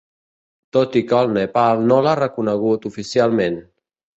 Tot i que el Nepal no l'ha reconegut oficialment.